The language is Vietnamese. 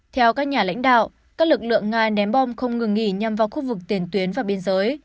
theo các nhà lãnh đạo các lực lượng nga ném bom không ngừng nghỉ nhằm vào khu vực tiền tuyến và biên giới